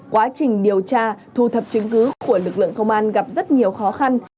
quá trình điều tra thu thập chứng cứ của lực lượng công an gặp rất nhiều khó khăn